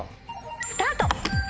スタート！